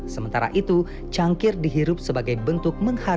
sementara itu cangkir dihirup sebagai bentuk mengharga